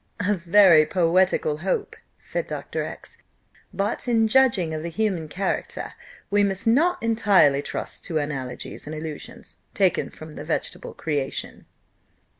'" "A very poetical hope," said Dr. X ; "but in judging of the human character, we must not entirely trust to analogies and allusions taken from the vegetable creation."